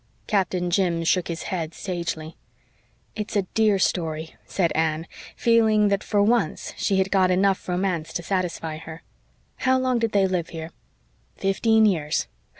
Captain Jim shook his head sagely. "It's a dear story," said Anne, feeling that for once she had got enough romance to satisfy her. "How long did they live here?" "Fifteen years.